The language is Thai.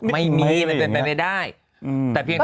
ไม่มีมันเป็นไปไม่ได้